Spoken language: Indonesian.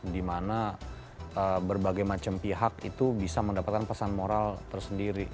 dimana berbagai macam pihak itu bisa mendapatkan pesan moral tersendiri